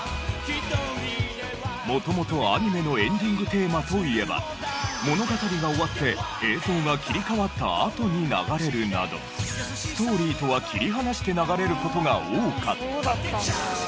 もともとはアニメのエンディングテーマといえば物語が終わって映像が切り替わったあとに流れるなどストーリーとは切り離して流れる事が多かった。